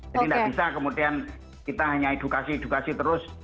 jadi tidak bisa kemudian kita hanya edukasi edukasi terus